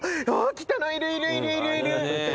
鬼太郎いるいるいるいる。